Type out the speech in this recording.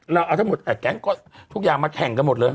ทุกอย่างเรามาแข่งกันหมดเลย